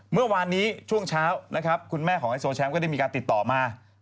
เมื่อวานนี้ช่วงเช้านะครับคุณแม่ของไฮโซแชมป์ก็ได้มีการติดต่อมา